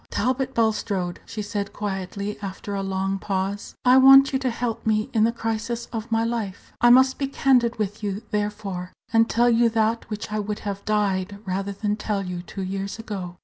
"Talbot Bulstrode," she said, quietly, after a long pause, "I want you to help me in the crisis of my life. I must be candid with you, therefore, and tell you that which I would have died rather than tell you two years ago.